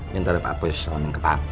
minta dari pak opi salam ke pak ang